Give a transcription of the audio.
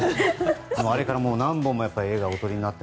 あれから何本も映画をお撮りになって。